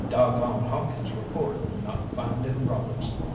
Dog gone Hawkins' report of not finding robbers.